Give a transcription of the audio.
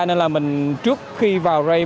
nên là mình trước khi vào race